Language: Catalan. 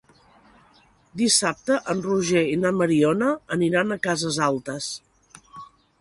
Dissabte en Roger i na Mariona aniran a Cases Altes.